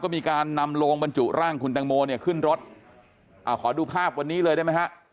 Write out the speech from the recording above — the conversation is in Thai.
มีการนำโลงบรรจุร่างคุณแตงโมเนี่ยขึ้นรถอ่าขอดูภาพวันนี้เลยได้ไหมฮะ